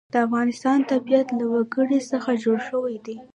د افغانستان طبیعت له وګړي څخه جوړ شوی دی.